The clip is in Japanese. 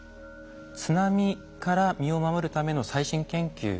津波から身を守るための最新研究。